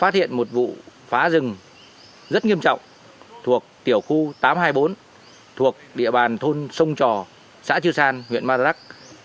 thuộc tiểu khu tám trăm hai mươi bốn ở thôn sông trò xã cư san huyện mạt rắc